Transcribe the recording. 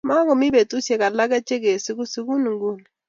Makomii betusiek alake che kesigu, sigun nguni